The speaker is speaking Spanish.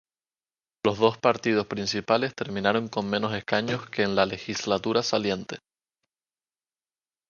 Los dos partidos principales terminaron con menos escaños que en la legislatura saliente.